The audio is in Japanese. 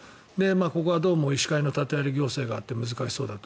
ここはどうも医師会の縦割り行政があって難しそうだと。